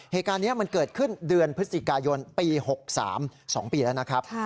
เหตุการณ์นี้มันเกิดขึ้นเดือนพฤศจิกายนปี๖๓๒ปีแล้วนะครับ